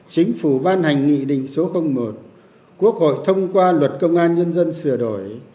chính phủ ban hành nghị định số một quốc hội thông qua luật công an nhân dân sửa đổi